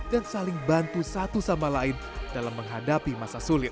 dan saling bantu satu sama lain dalam menghadapi masa sulit